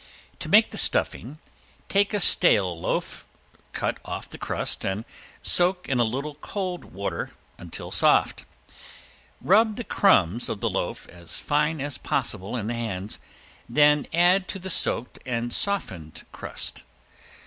To make the stuffing take a stale loaf, cut off the crust and soak in a little cold water until soft. Rub the crumbs of the loaf as fine as possible in the hands, then add to the soaked and softened crust.